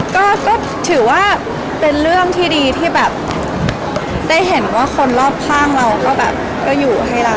ก็ถือว่าเป็นเรื่องที่ดีที่แบบได้เห็นว่าคนรอบข้างเราก็แบบก็อยู่ให้เรา